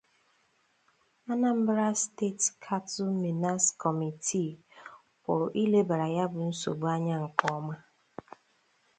'Anambra State Cattle Menace Committee' pụrụ ilebàrà ya bụ nsogbu anya nke ọma